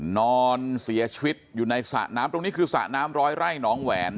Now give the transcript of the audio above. นอนเสียชีวิตอยู่ในสระน้ำตรงนี้คือสระน้ำร้อยไร่หนองแหวน